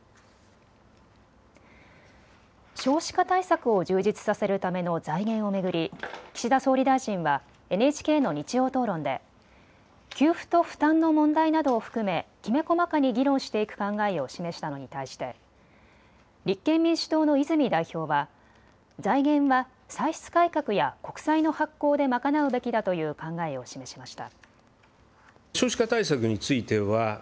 少子化対策を充実させるための財源を巡り岸田総理大臣はＮＨＫの日曜討論で給付と負担の問題などを含めきめ細かに議論していく考えを示したのに対して立憲民主党の泉代表は財源は歳出改革や国債の発行で賄うべきだという考えを示しました。